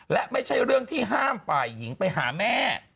และไม่ใช่เรื่องที่ห้ามฝ่ายหญิงไปหาแม่